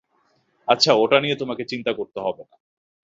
আচ্ছা, ওটা নিয়ে তোমাকে চিন্তা করতে হবে না।